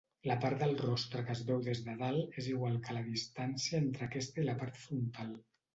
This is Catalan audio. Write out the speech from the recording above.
La part del rostre que es veu des de dalt és igual que la distància entre aquesta i la part frontal.